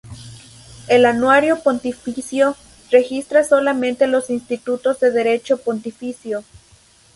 El Anuario Pontificio registra solamente los Institutos de derecho pontificio.